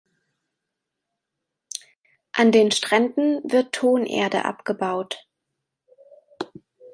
An den Stränden wird Tonerde abgebaut.